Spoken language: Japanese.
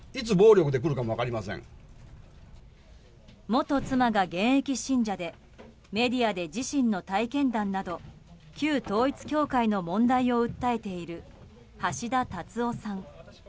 元妻が現役信者でメディアで自身の体験談など旧統一教会の問題を訴えている橋田達夫さん。